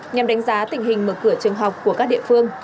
nhằm đánh giá tình hình mở cửa trường học của các địa phương